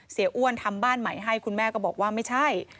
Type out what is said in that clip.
อ้วนทำบ้านใหม่ให้คุณแม่ก็บอกว่าไม่ใช่